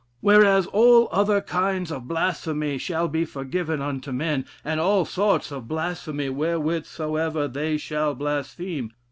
'Whereas all other kinds of blasphemy shall be forgiven unto men, and all sorts of blasphemy wherewith soever they shall blaspheme.